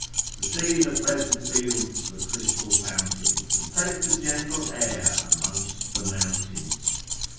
To see the pleasant fields, the crystal fountains, And take the gentle air amongst the mountains.